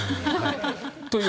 という